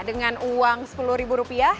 dengan uang sepuluh ribu rupiah